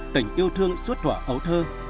tình yêu thương suốt thỏa ấu thơ